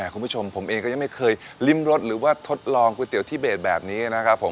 คุณผู้ชมผมเองก็ยังไม่เคยลิ้มรสหรือว่าทดลองก๋วยเตี๋ยที่เบสแบบนี้นะครับผม